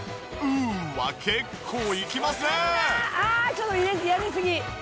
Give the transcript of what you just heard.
ちょっとやりすぎ。